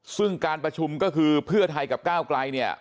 ซึ่งการประชุมก็คือเพื่อไทยกับก้าวไกลเนี่ย